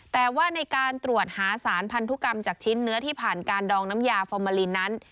แต่ว่าในการตรวจหาสารพันธุกรรมจากชิ้นเนื้อที่ผ่านการดองน้ำยาฟอร์มาลีนนั้น